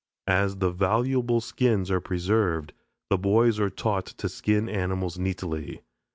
As the valuable skins are preserved, the boys are taught to skin animals neatly.